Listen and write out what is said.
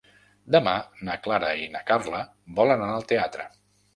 Demà na Clara i na Carla volen anar al teatre.